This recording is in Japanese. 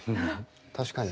確かに。